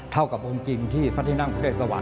เท่ากับองค์จริงที่พัทยนั่งเฮียสะวัน